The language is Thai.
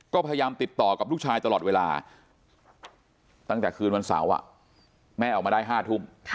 ก็พยายามติดต่อกับลูกชายตลอดเวลาตั้งแต่คืนวันเสาร์แม่ออกมาได้๕ทุ่ม